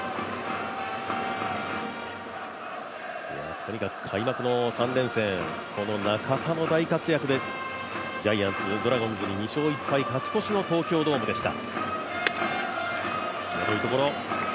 とにかく開幕の３連戦中田の大活躍でジャイアンツ、ドラゴンズに２勝１敗勝ち越しの東京ドームでした。